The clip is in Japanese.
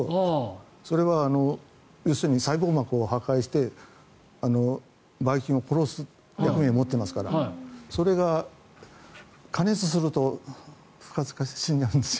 それは細胞膜を破壊してバイ菌を殺す役目を持ってますからそれが加熱すると、不活化して死んじゃうんです。